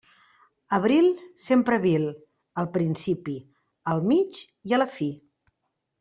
Abril sempre vil; al principi, al mig i a la fi.